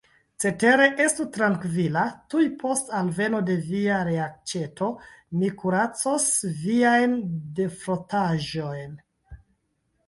Cetere, estu trankvila: tuj post alveno de via reaĉeto, mi kuracos viajn defrotaĵojn.